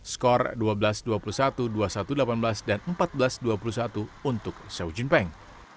skor dua belas dua puluh satu dua puluh satu delapan belas dan empat belas dua puluh satu untuk xiu jinpeng